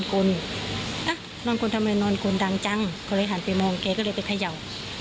ก็เลยช่วยปั๊มเข้นอะไรแบบนี้ทุกอย่าง